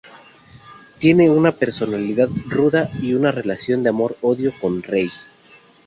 Tiene una personalidad ruda y una relación de amor-odio con Rei.